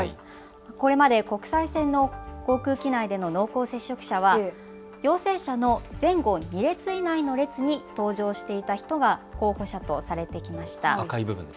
これまで国際線の航空機内での濃厚接触者は陽性者の前後２列以内の列に搭乗していた人が候補者とされてきました。